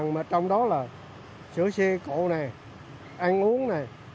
bốn mươi mà trong đó là sữa siêng cổ này ăn uống này